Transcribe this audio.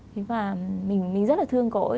thế và mình rất là thương cô ấy